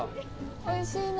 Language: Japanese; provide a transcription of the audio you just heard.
おいしいの？